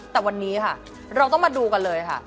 แต่วันนี้ค่ะเราต้องมาดูกันเลยค่ะ